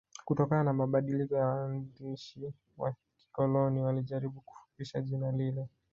kutokana na mabadiliko ya waandishi wa kikoloni walijaribu kufupisha jina lile